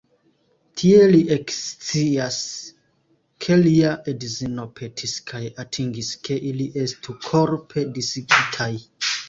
Tie li ekscias ke lia edzino petis kaj atingis ke ili estu "korpe disigitaj".